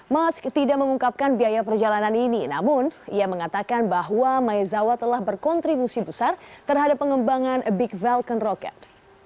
mas tidak mengungkapkan biaya perjalanan ini namun ia mengatakan bahwa maizawa telah berkontribusi besar terhadap pengembangan big falcon rocket